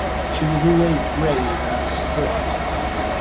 She was always grave and strict.